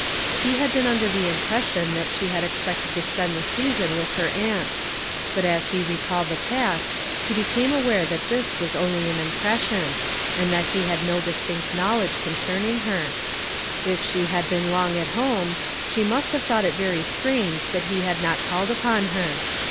He had been under the impression that slie had expected to spend the season with her luuit ; but as he re called the past, he became aware that this was only an impression, and that he had no distinct knowledge concerning her. If she had been long at home, she must have thought it very strange that he had not called upon her.